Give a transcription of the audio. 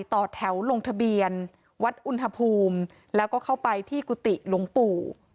ต่อแถวลงทะเบียนวัดอุณหภูมิแล้วก็เข้าไปที่กุฏิหลวงปู่